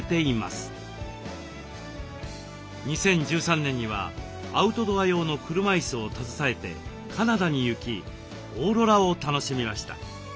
２０１３年にはアウトドア用の車いすを携えてカナダに行きオーロラを楽しみました。